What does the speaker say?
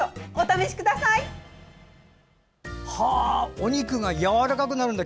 お肉がやわらかくなるんだ。